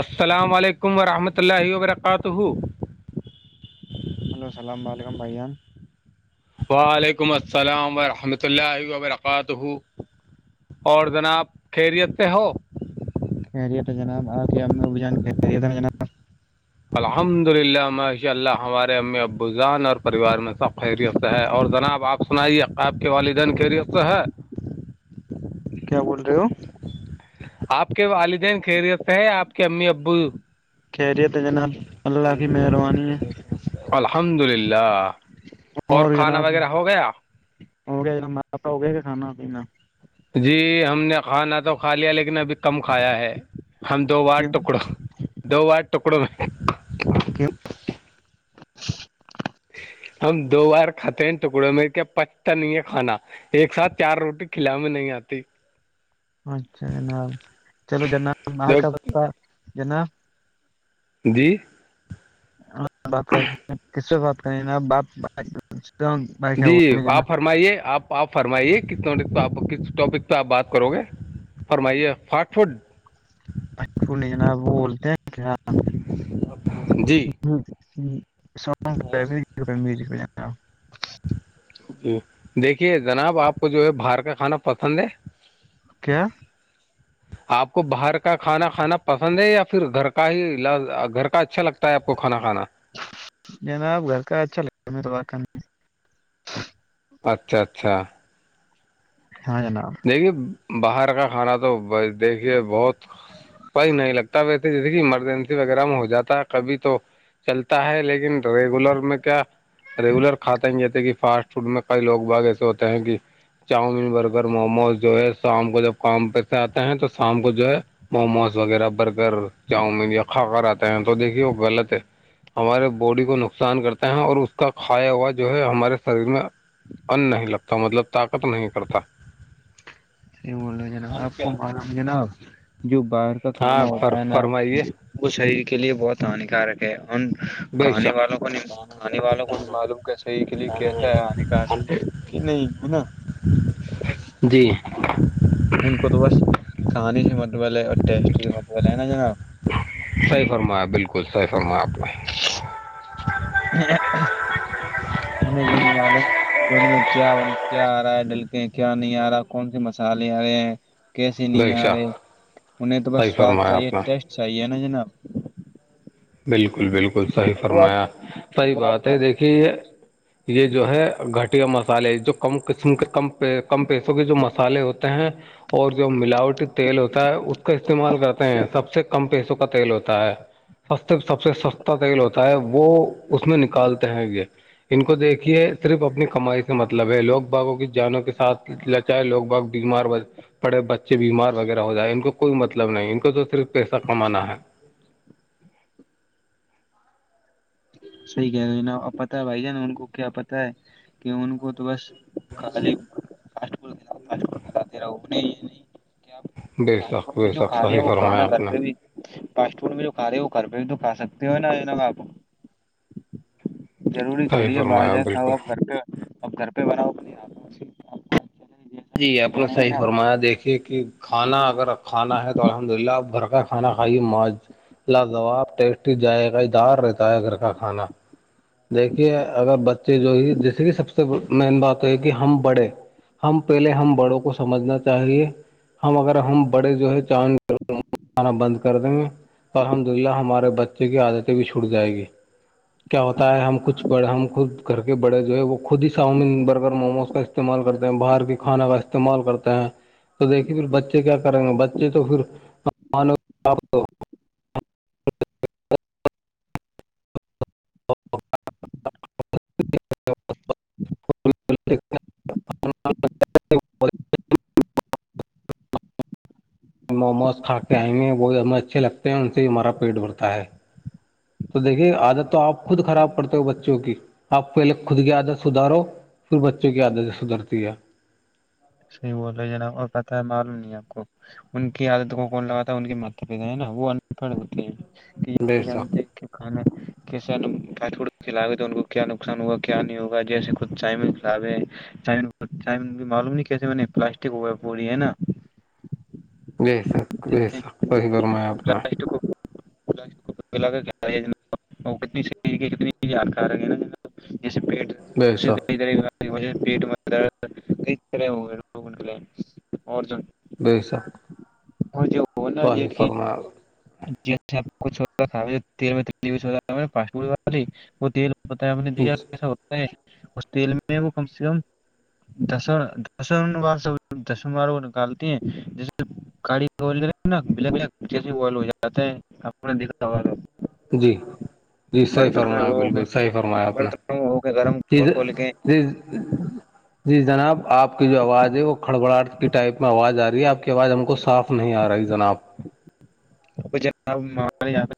السلام علیکم ورحمۃ اللہ وبرکاتہ ہلو السلام علیکم بھان وعلیکم السلام ورحمۃ اللہ وبرکاتہ اور جناب خیریت پہ ہو خری تو جناب آان الحمد للہ ماشاء اللہ ہمارے ا ابوزان اور پریوار میں سب خیریت ہے اور جناب آپ سنائیے آپ کے والدین کی ر سے ہے جی کیا بول رہے ہو آپ کے والدین خیریت ہیں آپ کے امی ابو خریی تو جناب اللہ کی مہربانی ہے الحمد للہ اور کھانا وغیرہ ہو گیا ہو گیا ج ماپا ہو گئے گ کھانا پینا جی ہم نے کھانا تو کھا لیا لیکن ابھی کم کھایا ہے ہم دو وار کیوں ٹکڑو دو وار ٹکڑو میں کیوں؟ [inaudible] ہم دو بار کھاتے ہیں ٹکڑوں میں کیا پا نہیں ہے کھانا ایک ساتھ چار روٹی کھلا میں نہیں آتی اچھا جناب چلو جناب تو۔ کا جناب جی بات کر کس سے بات کریںپ جی آپ فرمائیے آپ آپ فرمائیے کس نٹک پہ آپ کس ٹاپک پہ آپ بات کرو گے فرمائیے آ فاٹ فڈ اچلی جناب وہ بولتے ہیں کیا ہ جی سگ م [inaudible] جی دیکھیے جناب آپ کو جو ہے باہر کا کھانا پسند ہے کیا آپ کو باہر کا کھانا کھانا پسند ہے یا پھر گھر کا ہی گھر کا اچھا لگتا آپ کو کھانا کانا جناب گھر کا اچھا لگتا ہے م اچھا اچھا ہاں جان دیکھیے باہر کا کھانا تو دیکھیے بہت وہی نہیں لگتا ویسے جیسے کہ ایمرجنسی وغیرہ میں ہو جاتا ہے کبھی تو چلتا ہے لیکن ریگولر میں کیا ریگولر کھاتا ہی جتے کہ فاسٹ فڈ میں کئی لوگ باغ ایے ہوتے ہیں کہ چاؤمین بر اگر موموز جو ہے شام کو جب کام پ سے آتے ہیں تو شام کو جو ہے موموز وغیرہ بر اگر چاؤ میں یا کھااک آتا ہیں تو دیکھیے وہ غلط ہے ہمارے باڈی کو نقصان کرتے ہیں اور اس کا کھایا ہوا جو ہے ہمارے شریر میں ان نہیں لگتا مطلب طاقت نہیں کرتا یہ بول رہے جناب آپ کو معلوم جناب جو باہر کا کھانا ہاں فر ہوتا ہے نا فرمائیے وہ شریر کے لیے بہت ہانیکارک ہے ان بے کہاننے شک والوں کو آاننے والوں کو بھی معلوم کیا صحیح کے لیے کیسا ہے آنے کاار کہ نہیں ہے نا جی ان کو تو بس کھانانی سے متبول ہے اور ٹیسٹی سے متبول ہے نا جناب صحیح فرمایا بالکل صحی فرمایا آپ نے انہیں یہ نہیں معلوموم تو ان میں کیا کیا آ رہا ہے ڈلکے ہیں کیا نہیں آ رہا کون سے مسالے آ رہے ہیں کیسے نہیں بے آ شک رہے انہیں تو بس صحیح سواد فرمایا چاہیے آپ نے ٹیسٹ چاہیے نا جناب بالکل بالکل صحیح وہ فرمایا آپ صحیح وہ آپ بات کا ہے دیکھیے یہ جو ہے گھٹیا مسالے جو کم قسم کے کم کم پیسوں کے جو مسالے ہو ہیں اور اور جو ملاوٹی تیل ہوتا ہے اس کا استعمال کرتے ہیں سب سے کم پیسوں کا تیل ہوتا ہے س سب سے سستا تیل ہوتا ہے وہ اس میں نکالتے ہیں یہ ان کو دیکھیے صرف اپنی کمائی سے مطلب ہے لوگ باغوں کی جانوں کے ساتھ ل چاہے لوگ بہت بیمار پڑے بچے بیمار وغیرہ ہو جائے ان کو کوئی مطلب نہیں ان کو تو صرف پیسہ کمانا ہے صحی کہہ رہے ہیں نا پت ہے بھائی جان ان کو کیا پتا ہے کہ ان کو تو بس رہ یہ نہیں کیا بے پ شک میں بے جو شک کھا رہے ہیں صحیح وہ فرمایا کھانا آپ گھر نے پہ بھی پاسٹ ف میں جو کھ رہے وہ گھر پہ بھی تو کا سکتے ہو نا ن آپ ضروری صحیح تھوڑی ہے باہر فرمایا جائیں کھاؤ بالکل آپ گھر پہ اپ گھر پہ بناؤ اپ آ سے کو اچھا لگے جی آ جیسا ہے اپنا نا صحیح جناب فرمایا دیکھیے کہ کھانا اگر کھانا ہے تو الحمد للہ بھر کا کھانا کھائیے معاج لاجواب ٹیسٹی جائے گ دار رہتا ہے گھر کا کھانا دیکھیے اگر بچے جو ہی جیسے کہ سب سے مین بات تو ہے کہ ہم پڑھے ہم پہلے ہم بڑوں کو سمجھنا چاہیے ہم اگر ہم بڑے جو ہے چاند کھانا بند کر دیں گے الحمد للہ ہمارے بچے کی عادتیں بھی چھٹ جائیں گی کیا ہوتا ہے ہم کچھ بڑ ہم خود گھر کے بڑے جو ہے وہ خود ہی ساؤومین برگر موموز کا استعمال کرتے ہیں باہر کی کھانا کا استعمال کرتے ہیں تو دیکھیے پھر بچے کیا کریں گے بچے تو پھر ان [inaudible] ہم موموز کھا کے آئ گے وہ بھی ہمیں اچھے لگتے ہیں ان سے ہمارا پیٹ بھرتا ہے تو دیکھیے عادت تو آپ خود خراب کرڑتے ہو بچوں کی آپ پہلے خود کی عادت سدھارو پھر بچوں کی عادتیں سدھھرتی ہے صحیح بول رہے ج نب اور پتہ ہے معلوم نہیں ہے آپ کو ان کی عادت کو کون لگاتا ہے ان کے ماتا پتا ہے نا وہ انپڑھ ہوتے ہیں بے شک یہتے کھانا ک کھلاے تو ان کو کیا نقصان ہوگا کیا نہیں ہوگا جیسے کھ ٹائم چ چم معلوم نہیں کیسے پلاسٹک پی ہے نا بی سک بے سک صحیح فما ہے اپنا ک اور کتنی سری کے کتنی آک رہ نا جیسے پیٹ بے اس شک کئی طرح پیٹ میں درد ے ہو کےے اور بیی سا وہ جو نا یہ کہ فرمایا میں وہ بتایا نے دیا کیسا ہوتا ہے اس تیل میں وہ کم سے کم دس دسم وار سب دسم وار کو نکالتی ہیں جیسے گاڑیا ہو جاتا ہے ان دکھ سو گا جی جی صحیح فرمایا بالکل صحیح فرمایا آپ نے برتنوں میں ہو کے گرم جیز کھول کھول کے جیز ج جی جناب آپ کی جو آواز ہے وہ کھڑبڑاہٹ کی ٹائپ میں آواز آ رہی ہے آپ کی آواز ہم کو صاف نہیں آ رہا جنا آب یاد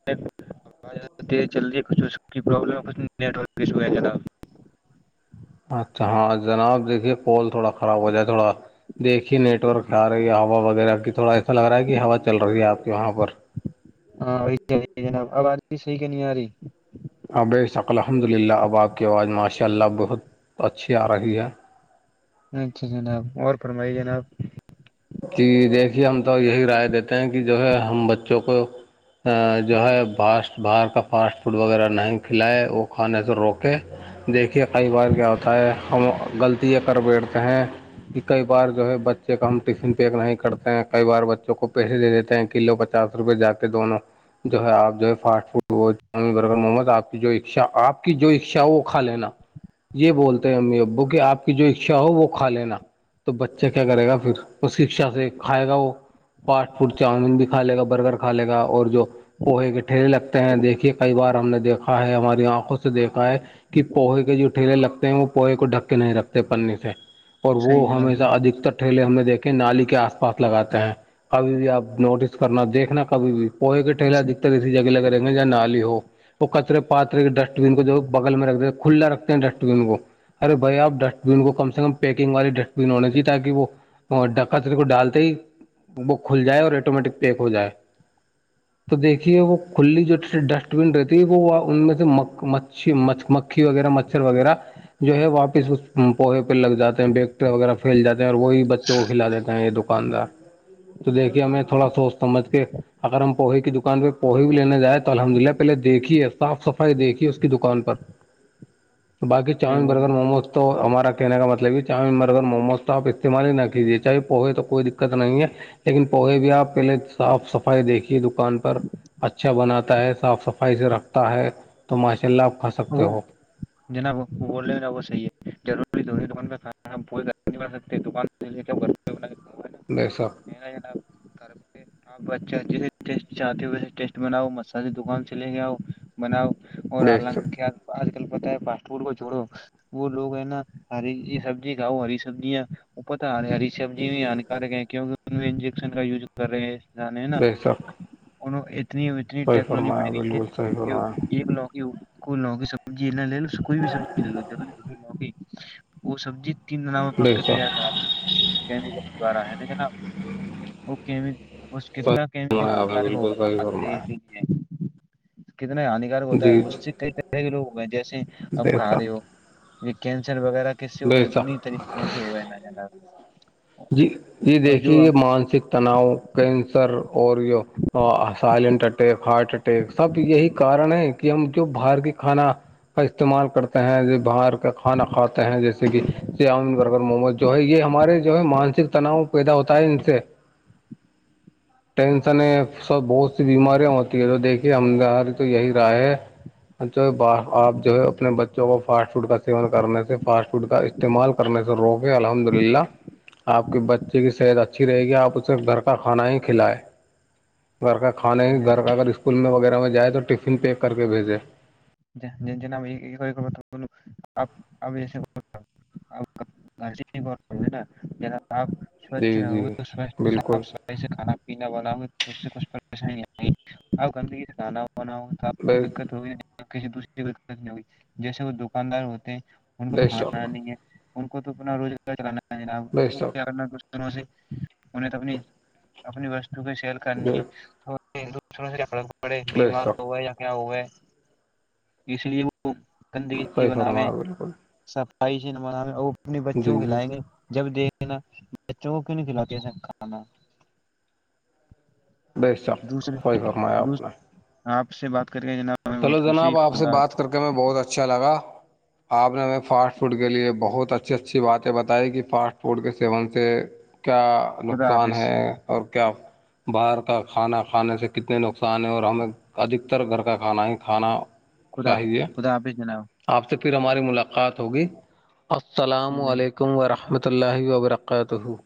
ز جلی کچھ اس کی پرلم ہے کچھ نیٹ ورک ایشو ہے جر اچھا ہاں جناب دیکھیے پول تھوڑا خراب ہو جائے تھوڑا دیکھیے نیٹ ورک آ رہی ہے ہوا وغیرہ کی تھوڑا ایسا لگ رہا ہے کہ ہوا چل رہی ہے آپ کے وہاں پر ہاں وہی چ جناب اب آج بھی صحی کہ نہیں آ رہی ابث الحمد للہ اب آپ کی آواز ماشاء اللہ بہت اچھی آ رہی ہے اچھا جناب اور فرمائی جناب کہ دیکھیے ہم تو یہی رائے دیتے ہیں کہ جو ہے ہم بچوں کو جو ہے فاسٹ باہر کا فاسٹ فوڈ وغیرہ نہیں کھلائے وہ کھانے سے روکے دیکھیے کئی بار کیا ہوتا ہے ہم غلطییاں کر بیٹھتے ہیں کہ کئی بار جو ہے بچے کا ہم ٹفن پیک نہیں کرتے ہیں کئی بار بچوں کو پیسے دے دیتے ہیں کلو پچاس روپئے جاتے دونوں جو ہے آپ جو ہے فاسٹ فوڈ وہ چاؤم برگر محمد آپ کی جو اچھا آپ کی جو اچھا وہ کھا لینا یہ بولتے ہیں امی ابو کی آپ کی جو اچھا ہو وہ کھا لینا تو بچہ کیا کرے گا پھر اس شکھا سے کھائے گا وہ فاسٹ فوڈ چاؤمین بھی کھا لے گا برگر کھا لے گا اور جو پوہے کےٹھیرے لگتے ہیں دیکھیے کئی بار ہم نے دیکھا ہے ہماری آنکھوں دیکھا ہے کہ پوہے کے جو ٹھیلے لگتے ہیں وہ پوہے کو ڈھک کے نہیں رکھتے پنے سے اور صحیح وہ جناب ہمیشہ صحیح ادکتر ٹھیلے ہم دھ کے نالی کے آس پاس لگاتے ہیں کبھی بھی آپ نوٹس کرنا دیکھنا کبھی بھی پوہ کا صحیح ٹھیلادھتر اسی جگہ لگے رہیں گے یا نال ہی ہو وہ کچرے پاترے کے ڈسٹ بین کو جو بغل میں رکھتے ہیں کھلا رکھتے ہیں ڈسٹ بین کو ارے بھائی آپ ڈسٹ بین کو کم سے کم پیکنگ والی ڈسٹبین ہونی چاہیے تاکہ وہ اور ڈکا تو اس کو ڈالتے ہی وہ کھل جائے اور آٹومیٹک پیک ہو جائے تو دیکھیے وہ کھلی جو ڈسٹ بین رہتی ہے وہ ان میں سے مک مچھی م مکھی وغیرہ مچ وغیرہ جو ہے واپس اس پوہے پہ لگ جاتے ہیں بیکٹر وغیرہ پھیل جاتے ہیں اور وہی جوو کھلا دیتے ہیں یہ دکاندار تو دیکھیے ہمیں تھوڑا سوچ سمجھ کے اگر ہم پوہی کی دکان پہ پوہی بھی لینے جائ تو الحمد للہ پہلے دیکھیے صاف صفائی دیکھیے اس کی دکان پر بای صحیح چاؤمین بول رہے برگر موموز تو ہمارا کہنے کا مطلب یہ چؤمن برگر موموز تو آپ استعمال ہی نہ کر ر ہے چاہے پوہے تو کوئی دقت نہیں ہے لیکن پوہے بھی آپ پہلے صاف صفائی دیکھیے دکان پر اچھا بناتا ہے صاف صفائی سے رکھتا ہے تو ماشاء اللہ آپ سکتے وہ ہو جناب بول رہے وہ صحیح ہے ضروروری دکان پہ کھانا پول سکتے دانا نہیںی سب ماا کر آپ بچ جسے ٹیسٹ چاہتے ہو ویسے ٹیسٹ بناؤ مسالے دکان سے لے کے آؤ بناؤ اور بے شک حالانکہ آج کل پتا ہے فاسٹ فڈ کو جوڑو وہ لوگ ہے نا ہری یہ سبزی کھاؤ ہری سبزیاں وہ پتتا ہ ہری سبزی بھی ہانانییکارک ہے کیوںکہ ان انجیکشن کا یوز کر رہے ہیں جے نا بے شک انن اتنی اتنی صحیح ٹیکنالوجی بڑھ فرمایا گئی ہے بالکل صحیح کہ فرمایا ایک نوکی کو لوکی سمجھی ل کوئی بھی سبزی لوری لوگی وہ سبزی تین دنا میں پک بے کے تیار شک کرا دیںے میکل دوارا ہے نا وہ اس کنت صحیح ل فرمایا آپ نے ہانارک بالکل صحیح فرمایا ہوگایح کتنا ہانیکارک جی ہوتا ہے جی اس چیز کئی طرح کے لوگ ہوئے ہیں جیسے بے اب شک کارے ہو یہ کینسر وغیرہ کیس سے ہوئے بے ہیں شک انی طری کون س سے ہو ہے نا جا جی جی دیکھیے یہ ہم مانسک تناؤ کینسر اور سائلینٹ اٹیک ہارٹ اٹیک سب یہی کارن ہے کہ ہم جو باہر کی کھانا کا استعمال کرتے ہیں جو باہر کا کھانا کھاتے ہیں جیسے کہ جیاامن برگر محمد جو ہے یہ ہمارے جو ہے مانسک تناؤ پیدا ہوتا ہے ان سے ٹینشن سب بہت سی بیماریاں ہوتی ہے جو دیکھیے ہمداری تو یہی رائے ہے آپ جو ہے اپنے بچوں کو فاسٹ فوڈ کا سیون کرنے سے فاسٹ فوڈ کا استعمال کرنے سے روکیں الحمد للہ آپ کے بچے کی صحت اچھی رہے گی آپ اسے گھر کا کھانا ہی کھلائیں گھر کا کھانا ہی گھر کا اگر اسکول میں وغیرہ میں جائے تو ٹفن پیک کر کے بھیجے ج ج ج کر تو بولپ اپی نہیں نا آپ سوچھ جی جی رہو بالکل گے سے کھانا پینا بناؤ گے تو اس سے کچھ پریشانی آگی آپ گندگی سے کھانا بناؤ تو آپ کو بے دقت ہوگئی کسی دوسری کو دت نہیں ہوگی جیسے وہ دکاندار ہوتے ہیں ان کو تو بے کھانا شک نہیں ہے ان کو تو اپنا روزگار چلانا جناب ان بے کو کیا شک کرنا کچھ دوں سے انیں اپنی وستو کی سیل کرنی ہے سے پڑے بے بیمار شک ہو یا کیا ہو ہے اس لیے وہ گندگیی صحیح بناویں فرمایا بالکل صفائی سے نمان ہے وہ اپنے بچوں جی ک جی لائیں گے جب دیک بچوں کو کیوں نہیں کھلااتے ایسے کھانا بے شک دوسرے صحیح فرمایا دو آپ نے آپ سے بات کر کے جناب ہمیں چلو بہت خوشی جناب آپ سے خدا بات کر کے میں بہت اچھا لگا آپ نے ہمیں فاسٹ فوڈ کے لیے بہت اچھی اچھی باتیں بتائی کہ فاسٹ فوڈ کے سیون سے کیا خدا نقصان حافظ ہے اور کیا باہر کا کھانا کھانے سے کتنے نقصان ہیں اور ہمیں ادھکتر گھر کا کھانا ہی کھانا چاہیے گ بھی جنا آپ سے پھر ہماری ملاقات ہوگی السلام ٹھیک ہے علیکم ورحمۃ اللہ وبرکات ہو